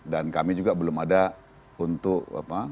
dan kami juga belum ada untuk apa